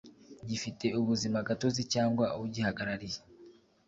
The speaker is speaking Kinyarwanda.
gifite ubuzima gatozi cyangwa ugihagarariye